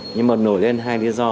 nhưng mà nổi lên hai lý do